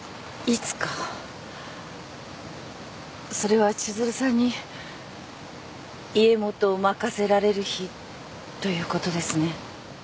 それは千鶴さんに家元を任せられる日ということですね？